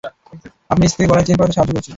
আপনার স্ত্রী তাকে গলায় চেইন পরাতে সাহায্য করেছে!